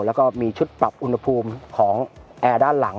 แล้วก็มีชุดปรับอุณหภูมิของแอร์ด้านหลัง